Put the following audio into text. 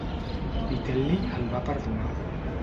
Vitel·li el va perdonar.